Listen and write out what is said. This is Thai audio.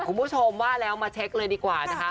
คุณผู้ชมว่าแล้วมาเช็คเลยดีกว่านะคะ